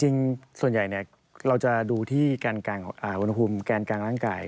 จริงส่วนใหญ่เราจะดูที่อุณหภูมิแกนกลางร่างกาย